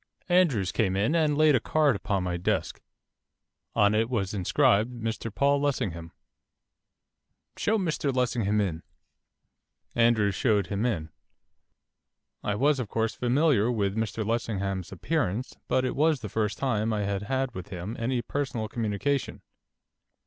Andrews came in and laid a card upon my desk. On it was inscribed 'Mr Paul Lessingham.' 'Show Mr Lessingham in.' Andrews showed him in. I was, of course, familiar with Mr Lessingham's appearance, but it was the first time I had had with him any personal communication.